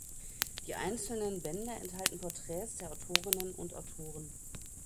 Die einzelnen Bände enthalten Porträts der Autorinnen und Autoren.